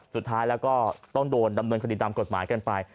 สุดท้ายก็ต้องโดนดำเนินสกติดำกฎหมายกันไป